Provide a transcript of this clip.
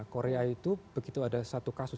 korea itu begitu ada satu kasus